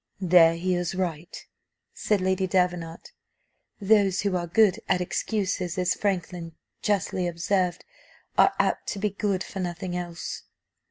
"There he is right" said Lady Davenant. "Those who are good at excuses, as Franklin justly observed, are apt to be good for nothing else."